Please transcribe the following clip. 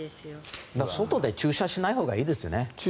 外で駐車しないほうがいいですね。